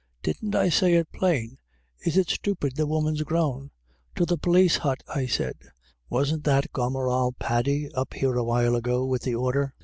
"" Didn't I say it plain ? Is it stupid the woman's grown? To the p61is hut, I said. Wasn't that gomeral Paddy up here awhile ago with the order